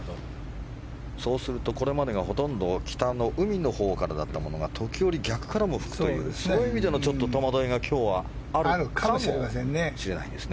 そうするとこれまでがほとんど北の海のほうからだったものが時折、逆からも吹くというそういう意味での戸惑いが今日はあるかもしれないですね。